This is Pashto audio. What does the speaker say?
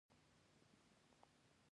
پارکونه څوک ساتي؟